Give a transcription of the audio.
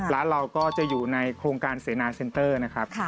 ร้านเราก็จะอยู่ในโครงการเสนาเซ็นเตอร์นะครับ